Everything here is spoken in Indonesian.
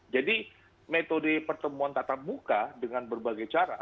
jadi metode pertemuan tatap muka dengan berbagai cara